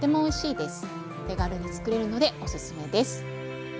手軽につくれるのでおすすめです。